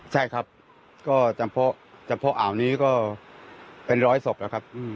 ใช่ครับก็จังพกอ่าวนี้ก็เป็นร้อยสบครับครับ